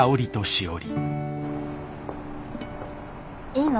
いいの？